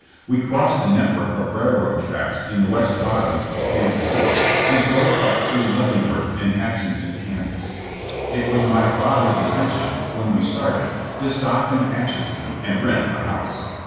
We crossed the network of railroad tracks in the West Bottoms of Kansas City and drove up through Leavenworth and Atchison, Kan. It was my father's intention, when we started, to stop in Atchison and rent a house.